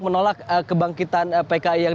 menolak kebangkitan pki yang